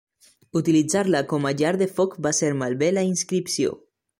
Utilitzar-la com a llar de foc va fer malbé la inscripció.